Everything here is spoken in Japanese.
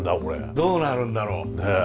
どうなるんだろう。ねえ。